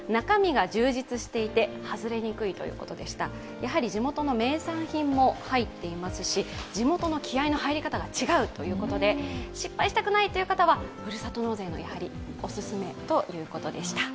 やはり地元の名産品も入っていますし地元の気合いの入り方が違うということで失敗したくないという方はふるさと納税がやはりおすすめということでした。